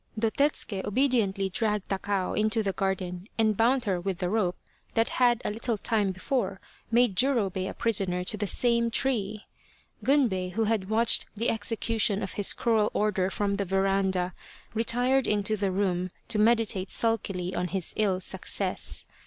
Dotetsuke obediently dragged Takao into the garden and bound her with the rope that had a little time before made Jurobei a prisoner to the same tree. Gunbei, who had watched the execution of his cruel order from the veranda, retired into the room to meditate sulkily on his ill success.